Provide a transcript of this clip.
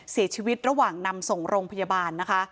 เสียชีวิตระหว่างนำส่งโรงพยาบาลนะคะ